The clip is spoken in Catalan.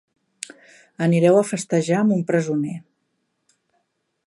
Anireu a festejar amb un presoner.